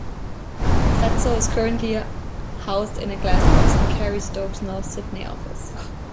Fatso is currently housed in a glass box in Kerry Stokes's North Sydney office.